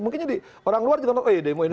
mungkin jadi orang luar juga nonton